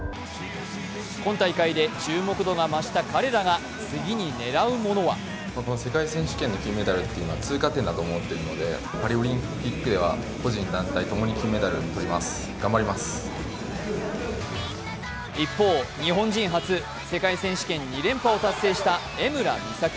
今大会で注目度が増した彼らが次に狙うものは一方、日本人初世界選手権２連覇を達成した江村美咲。